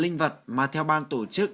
linh vật mà theo ban tổ chức